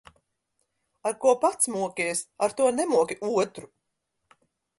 Ar ko pats mokies, ar to nemoki otru.